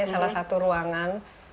salah satu ruangan